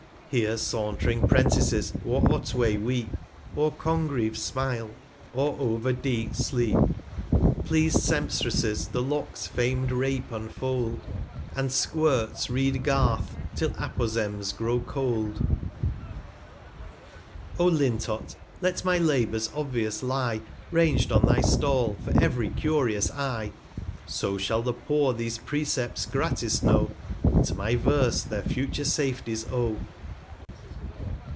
3* R I r I A 31 Here saunt'ring 'Prentices o'er Otway weep, O'er Congreve smile, or over Z) sleep ; 440 Pleas'd Sempstresses the Lock's fam'd Rape unfold, And f Squirts read Garth^ 'till Apozems grow cold. O Lintott, let my Labours obvious lie, Rang'd on thy Stall, for ev'ry curious Eye ; So shall the Poor these Precepts gratis know, 445 And to my Verse their future Safeties owe.